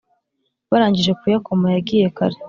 barangije kuyakoma yagiye kare.